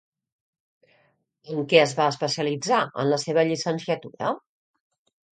En què es va especialitzar en la seva llicenciatura?